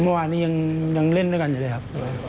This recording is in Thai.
เมื่อวานนี้ยังเล่นด้วยกันอยู่เลยครับ